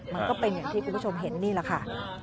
มันก็เป็นอย่างที่คุณผู้ชมเห็นนี่แหละค่ะ